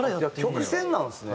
曲先なんですね。